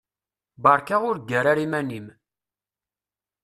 Beṛka ur ggar ara iman-im.